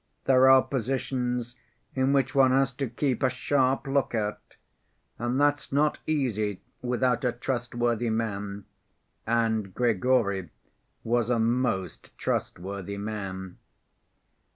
There are positions in which one has to keep a sharp look out. And that's not easy without a trustworthy man, and Grigory was a most trustworthy man.